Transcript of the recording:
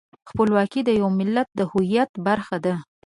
خپلواکي د یو ملت د هویت برخه ده.